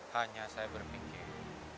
hanya saya berpikir